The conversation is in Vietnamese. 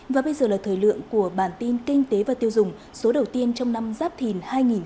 và bây giờ là thời lượng của bản tin kinh tế và tiêu dùng số đầu tiên trong năm giáp thìn hai nghìn hai mươi bốn